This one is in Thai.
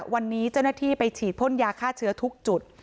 วันนี้เจ้าหน้าที่ไปฉีดพ่นยาฆ่าเชื้อทุกจุด